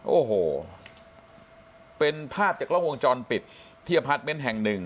โอ้โหเป็นภาพจากกล้องวงจรปิดที่อพาร์ทเมนต์แห่งหนึ่ง